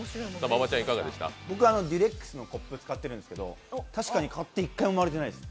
ＤＵＲＡＬＥＸのコップ使ってるんですけど、確かに買って１回も割れてないです